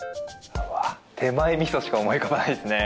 手前みそしか浮かばないですね。